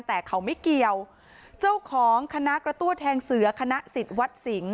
แต่เขาไม่เกี่ยวเจ้าของคณะกระตั้วแทงเสือคณะสิทธิ์วัดสิงห